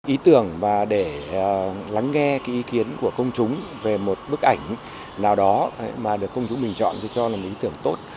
ý tưởng và để lắng nghe ý kiến của công chúng về một bức ảnh nào đó mà được công chúng bình chọn tôi cho là một ý tưởng tốt